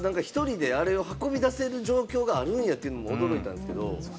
まず１人であれを運び出せる状況があるんやって驚いたんですけど。